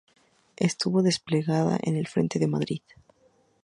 Estuvo desplegada en el frente de Madrid.